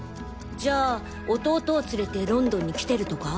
じゃあ弟を連れてロンドンに来てるとか？